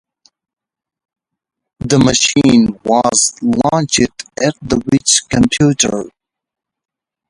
The machine was launched at the Which Computer?